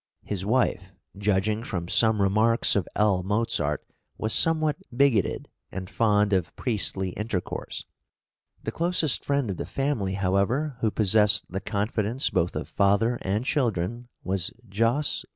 His wife, judging from some remarks of L. Mozart, was somewhat bigoted and fond of priestly intercourse. The closest friend of the family, however, who possessed the confidence both of father and children, was Jos.